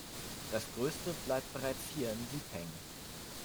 Das Gröbste bleibt bereits hier im Sieb hängen.